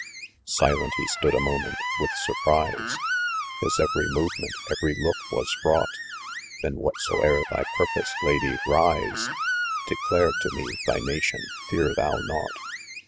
Silent he stood a moment, with surprise His every movement, every look, was fraught Then " whatsoe'er thy purpose, lady, rise, Declare to me thy nation, fear thou naught.